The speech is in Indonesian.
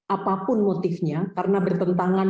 apapun motifnya karena bertentangan